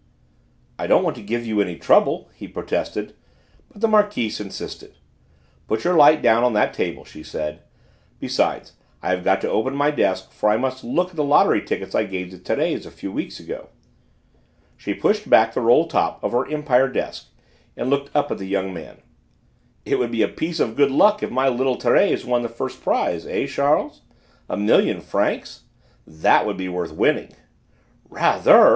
"I don't want to give you any trouble," he protested, but the Marquise insisted. "Put your light down on that table," she said. "Besides, I have got to open my desk, for I must look at the lottery tickets I gave to Thérèse a few weeks ago." She pushed back the roll top of her Empire desk and looked up at the young fellow. "It would be a piece of good luck if my little Thérèse won the first prize, eh, Charles? A million francs! That would be worth winning?" "Rather!"